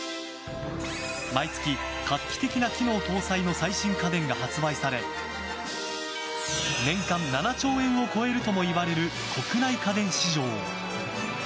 毎月、画期的な機能搭載の最新家電が発売され年間７兆円を超えるともいわれる国内家電市場。